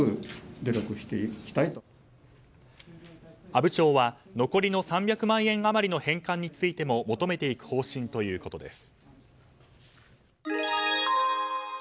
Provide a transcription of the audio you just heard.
阿武町は残りの３００万円余りの返還についても求めていく方針ということです。